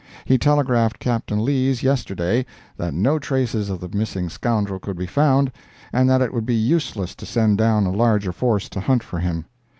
He telegraphed Captain Lees, yesterday, that no traces of the missing scoundrel could be found, and that it would be useless to send down a larger force to hunt for him.